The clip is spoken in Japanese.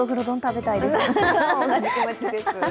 同じ気持ちです。